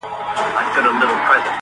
تر څو نه یو شرمینده تر پاک سبحانه،